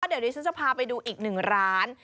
เดี๋ยวนี้ฉันจะพาไปดูอีกหนึ่งร้าน